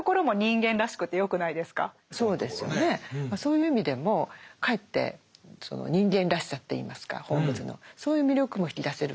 そういう意味でもかえってその人間らしさっていいますかホームズのそういう魅力も引き出せる。